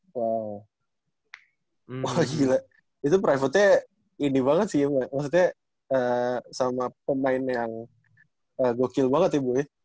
wow wah gila itu private nya ini banget sih ya bu maksudnya sama pemain yang gokil banget ya bu ya